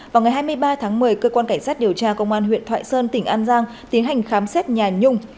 vào ngày hai mươi ba tháng một mươi cơ quan cảnh sát điều tra công an huyện thoại sơn tỉnh an giang tiến hành khám xét nhà nhung